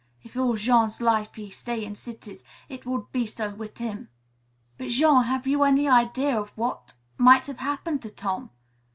"If all Jean's life he stay in cities, it would be so wit' him." "But Jean, have you any idea of what might have happened to Tom?"